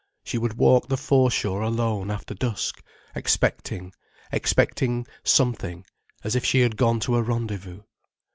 She would walk the foreshore alone after dusk, expecting, expecting something, as if she had gone to a rendezvous.